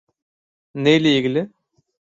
Neyle ilgili?